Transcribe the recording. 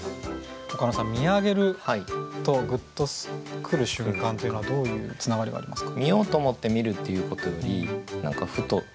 岡野さん「見上げる」と「グッとくる瞬間」というのはどういうつながりがありますか？